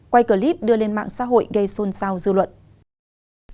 quay clip đưa lên mạng xã hội gây xôn xao dư luận